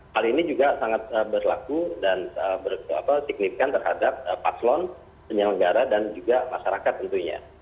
hal ini juga sangat berlaku dan signifikan terhadap paslon penyelenggara dan juga masyarakat tentunya